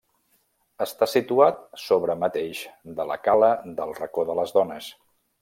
Està situat sobre mateix de la cala del racó de les dones.